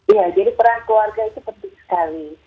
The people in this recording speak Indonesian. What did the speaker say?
iya jadi peran keluarga itu penting sekali